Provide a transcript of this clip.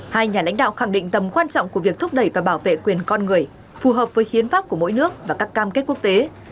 hai nhà lãnh đạo khẳng định tầm quan trọng của việc thúc đẩy và bảo vệ quyền con người phù hợp với hiến pháp của mỗi nước và các cam kết quốc tế